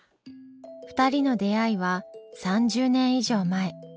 ２人の出会いは３０年以上前。